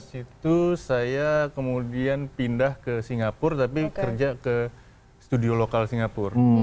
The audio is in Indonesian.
di situ saya kemudian pindah ke singapura tapi kerja ke studio lokal singapura